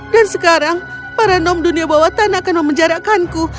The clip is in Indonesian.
dan sekarang para nom dunia bawah tanah akan memenjarakanku